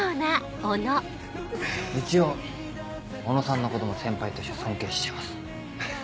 一応小野さんのことも先輩として尊敬してます。